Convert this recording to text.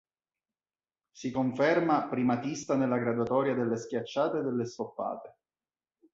Si conferma primatista nella graduatoria delle schiacciate e delle stoppate.